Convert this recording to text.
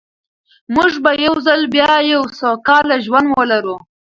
موږ به یو ځل بیا یو سوکاله ژوند ولرو.